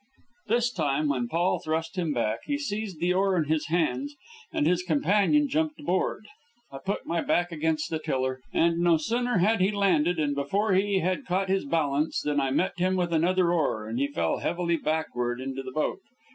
This time, when Paul thrust him back, he seized the oar in his hands, and his companion jumped aboard. I put my back against the tiller, and no sooner had he landed, and before he had caught his balance, than I met him with another oar, and he fell heavily backward into the boat.